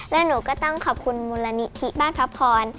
และหนูก็ต้องขอบคุณมูลนิธิบ้านพระพร